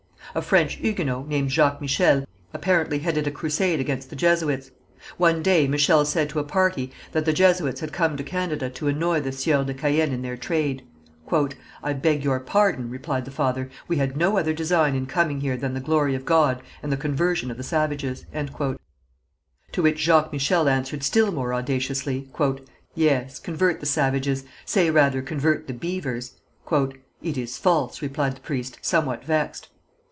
A French Huguenot, named Jacques Michel, apparently headed a crusade against the Jesuits. One day Michel said to a party that the Jesuits had come to Canada to annoy the Sieurs de Caën in their trade. "I beg your pardon," replied the father, "we had no other design in coming here than the glory of God and the conversion of the savages." To which Jacques Michel answered still more audaciously: "Yes, convert the savages, say rather, convert the beavers." "It is false," replied the priest, somewhat vexed.